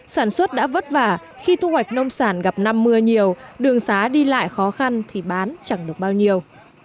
sản xuất đã vất vả khi thu hoạch nông sản gặp năm mưa nhiều đường xá đi lại khó khăn thì bán chẳng được bao nhiêu